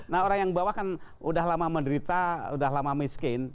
nah orang yang bawah kan udah lama menderita udah lama miskin